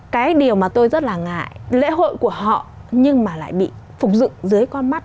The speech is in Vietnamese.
cái điều mà tôi rất là ngại lễ hội của họ nhưng mà lại bị phục dựng dưới con mắt